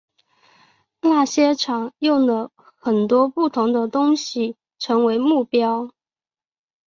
那些场用了很多不同的东西成为目标。